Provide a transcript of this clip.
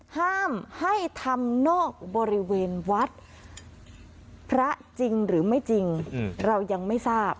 ห้ามให้ทำนอกบริเวณวัดพระจริงหรือไม่จริงเรายังไม่ทราบ